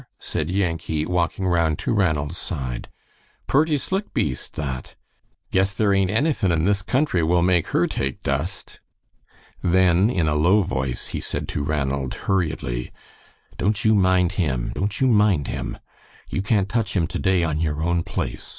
said Yankee, walking round to Ranald's side. "Purty slick beast, that. Guess there ain't anythin' in this country will make her take dust." Then in a low voice he said to Ranald, hurriedly, "Don't you mind him; don't you mind him. You can't touch him to day, on your own place.